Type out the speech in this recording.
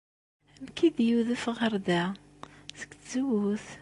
Amek ay d-yudef ɣer da? Seg tzewwut.